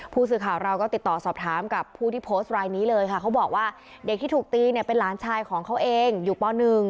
ผู้สื่อข่าวเราก็ติดต่อสอบถามกับผู้ที่โพสต์รายนี้เลยค่ะเขาบอกว่าเด็กที่ถูกตีเนี่ยเป็นหลานชายของเขาเองอยู่ป๑